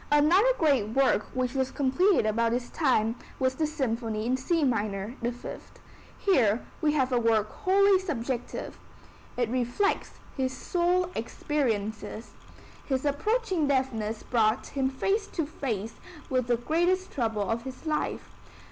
Another great work which was completed about this time was the Symphony in C minor (The Fifth). Here we have a work wholly subjective. It reflects his soul experiences. His approaching deafness brought him face to face with the greatest trouble of his life.